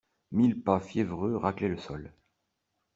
Mille pas fiévreux raclaient le sol.